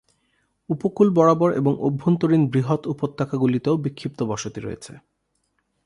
উপকূল বরাবর এবং অভ্যন্তরীণ বৃহৎ উপত্যকাগুলিতেও বিক্ষিপ্ত বসতি রয়েছে।